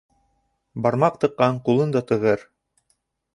Бармаҡ тыҡҡан ҡулын да тығыр